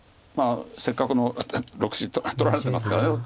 まあせっかくの６子取られてますから。